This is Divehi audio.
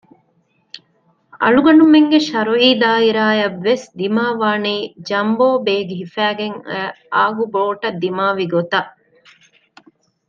އަޅުގަނޑުމެންގެ ޝަރުއީ ދާއިރާ އަށްވެސް ދިމާވަނީ ޖަމްބޯ ބޭގް ހިފައިގެން އައި އާގުބޯޓަށް ދިމާވި ގޮތަށް